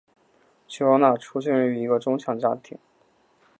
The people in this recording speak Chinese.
琼安娜出生于一个中产家庭。